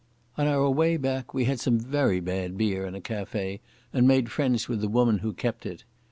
On our way back we had some very bad beer in a café and made friends with the woman who kept it.